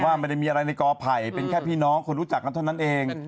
ไม่ได้มีอะไรในกอไผ่เป็นแค่พี่น้องคนรู้จักกันเท่านั้นเอง